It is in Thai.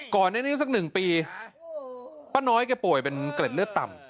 ก่อนหน้านี้สักหนึ่งปีป้าน้อยแกป่วยเป็นเกล็ดเลือดต่ำ